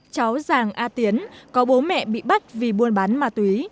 cháu giàng a tiến có bố mẹ bị bắt vì buôn bán ma túy